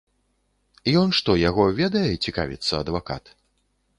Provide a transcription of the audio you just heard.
Ён што, яго ведае, цікавіцца адвакат.